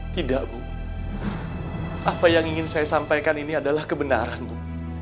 tidak bu apa yang ingin saya sampaikan ini adalah kebenaran bu